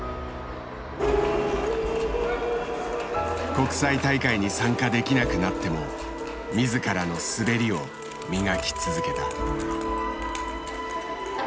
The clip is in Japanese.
国際大会に参加できなくなっても自らの滑りを磨き続けた。